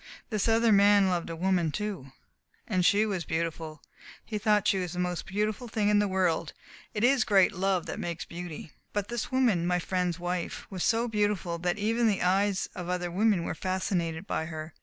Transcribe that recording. "This other man loved a woman, too. And she was beautiful. He thought she was the most beautiful thing in the world. It is great love that makes beauty." "But this woman my friend's wife was so beautiful that even the eyes of other women were fascinated by her.